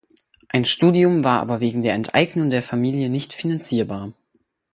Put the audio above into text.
Ein Studium war aber wegen der Enteignung der Familie nicht finanzierbar.